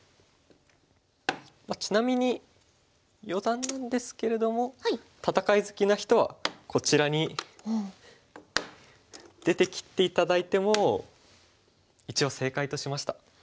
まあちなみに余談なんですけれども戦い好きな人はこちらに出て切って頂いても一応正解としました。